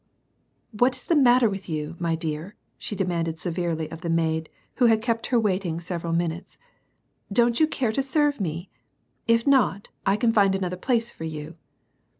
"What is the matter with you, my dear?" she demanded severely of the maid, who had kept her waiting several min utes. "Don't you care to serve me? If not, I can find another place for you."